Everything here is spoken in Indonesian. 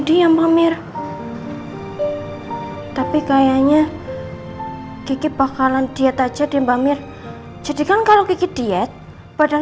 diam mbak mir tapi kayaknya kiki bakalan diet aja deh mbak mir jadikan kalau kiki diet badan